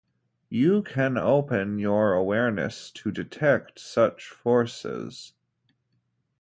You can open your awareness to detect such forces.